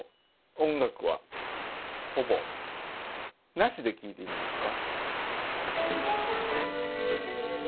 なしで聴いてみますか？